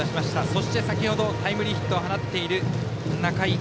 そして、先程タイムリーヒットを放っている仲井。